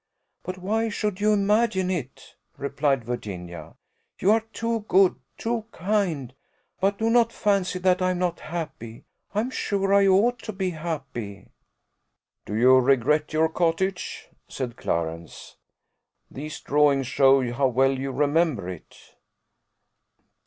"But why should you imagine it?" replied Virginia; "you are too good, too kind; but do not fancy that I am not happy: I am sure I ought to be happy." "Do you regret your cottage?" said Clarence: "these drawings show how well you remember it."